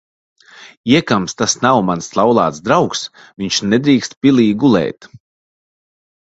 Iekams tas nav mans laulāts draugs, viņš nedrīkst pilī gulēt.